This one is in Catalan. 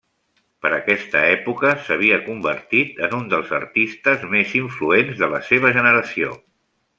Per aquesta època, s'havia convertit en un dels artistes més influents de la seva generació.